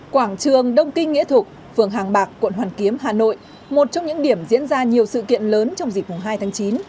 quảng trường đông kinh nghĩa thục phường hàng bạc quận hoàn kiếm hà nội một trong những điểm diễn ra nhiều sự kiện lớn trong dịp hai tháng chín